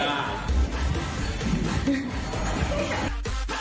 โอเค